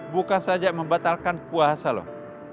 bukan saja membatalkan puasa loh